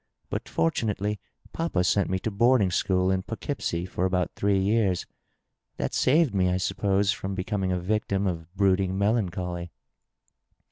But fortunately papa sent me to boarding school in Pough keepsie for about three years. That save^ me, I suppose, from be coming a victim of brooaiug melancholy."